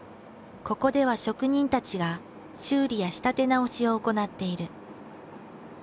ここでは職人たちが修理や仕立て直しを行っている。